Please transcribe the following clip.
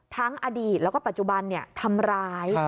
ทั้งอดีตแล้วก็ปัจจุบันทำร้าย